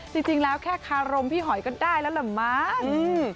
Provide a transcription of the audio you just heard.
จริงแล้วแค่คารมพี่หอยก็ได้แล้วล่ะมั้ง